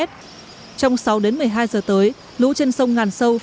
trong sáu đến một mươi hai giờ tới lũ trên sông ngàn sâu